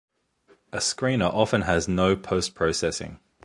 A screener often has no post-processing.